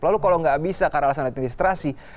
lalu kalau nggak bisa karena alasan administrasi